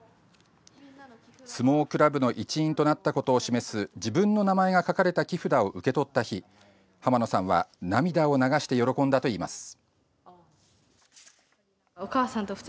相撲クラブの一員となったことを示す自分の名前が書かれた木札を受け取った日濱野さんは涙を流して喜んだといいます。